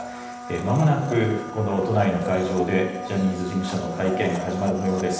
まもなく、この都内の会場でジャニーズ事務所の会見、始まるもようです。